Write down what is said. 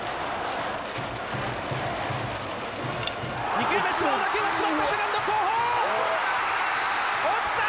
２球目柴の打球が詰まったセカンド後方！